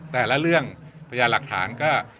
แต่ละเรื่องพยานหลักฐานก็